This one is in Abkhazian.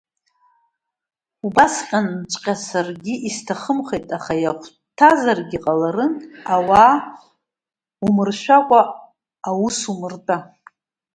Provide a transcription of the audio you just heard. Убасҟанҵәҟьа саргьы исҭахымхеит, аха иахәҭазаргьы ҟаларын, ауаа умыршәакәа аус руамтәа…